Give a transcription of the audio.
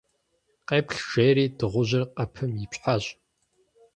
- Къеплъ, - жери дыгъужьыр къэпым ипщхьащ.